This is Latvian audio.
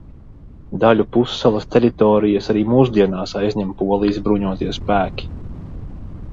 Daļu pussalas teritorijas arī mūsdienās aizņem Polijas bruņotie spēki.